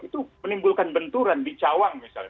itu menimbulkan benturan di cawang misalnya